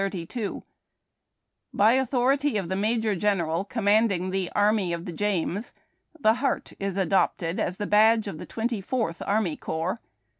] By authority of the Major General commanding the Army of the James, the Heart is adopted as tlie badge of the Twenty Fourth Army Corps.